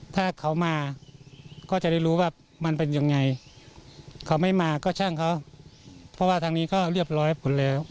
ถ้าเขามาก็จะได้รู้ว่ามันเป็นยังไงเขาไม่มาก็ช่างเขาเพราะว่าทางนี้ก็เรียบร้อยผลแล้ว